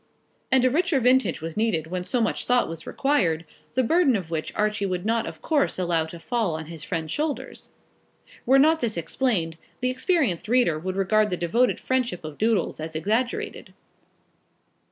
And a richer vintage was needed when so much thought was required, the burden of which Archie would not of course allow to fall on his friend's shoulders. Were not this explained, the experienced reader would regard the devoted friendship of Doodles as exaggerated.